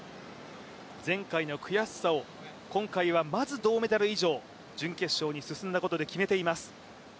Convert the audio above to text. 前回の悔しさを今回はまず銅メダル以上、準決勝に進んだことで決めています。